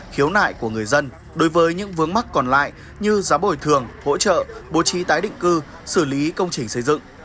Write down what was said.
khiếu nại của người dân đối với những vướng mắc còn lại như giá bồi thường hỗ trợ bố trí tái định cư xử lý công trình xây dựng